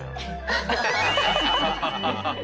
ハハハハ！